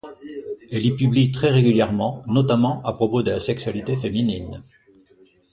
Elle y publie très régulièrement, notamment à propos de la sexualité féminine.